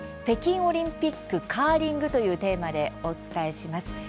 北京オリンピックカーリング」というテーマでお伝えします。